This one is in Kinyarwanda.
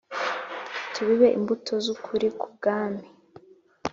Tubibe imbuto z ukuri k Ubwami